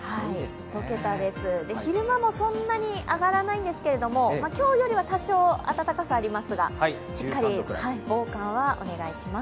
１桁です、昼間もそんなに上がらないんですけど、今日よりは多少、暖かさありますがしっかり防寒はお願いします。